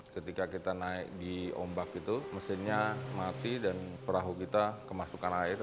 ketika kita naik di ombak itu mesinnya mati dan perahu kita kemasukan air